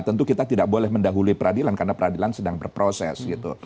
tentu kita tidak boleh mendahuli peradilan karena peradilan sedang berproses gitu